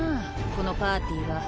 このパーティーは。